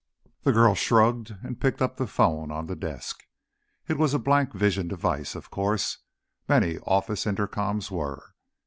The girl shrugged and picked up the phone on the desk. It was a blank vision device, of course; many office intercoms were.